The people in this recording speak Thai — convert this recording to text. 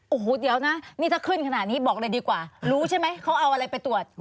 โอ้โหเดี๋ยวนะนี่ถ้าขึ้นขนาดนี้บอกเลยดีกว่ารู้ใช่ไหมเขาเอาอะไรไปตรวจ